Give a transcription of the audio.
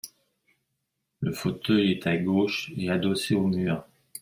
Le fauteuil est à gauche et adossé au mur.